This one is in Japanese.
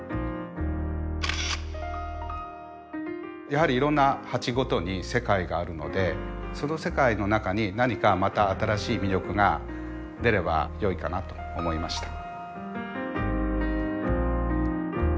やはりいろんな鉢ごとに世界があるのでその世界の中に何かまた新しい魅力が出ればよいかなと思いました。